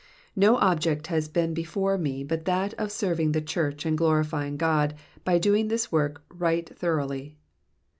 No object has been before me but that of serving the church and glorifying God by doing this work right thoroughly.